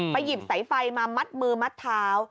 หยิบสายไฟมามัดมือมัดเท้า